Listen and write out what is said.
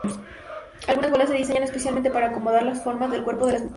Algunas bolsas se diseñan especialmente para acomodar las formas del cuerpo de las mujeres.